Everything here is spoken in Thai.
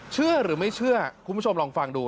เชื่อหรือไม่เชื่อคุณผู้ชมลองฟังดู